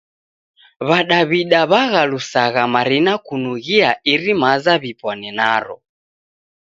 W'adaw'ida w'aghalusagha marina kunughia iri maza w'ipwane naro.